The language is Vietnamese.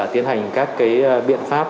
tiến hành các cái biện pháp